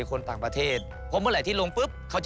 ก็เป็นว่า